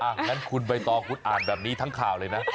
งั้นคุณใบตองคุณอ่านแบบนี้ทั้งข่าวเลยนะ